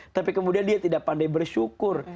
tapi kemudian dia tidak pandai bersyukur